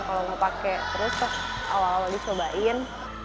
kalau mau pakai terus awal awal disobain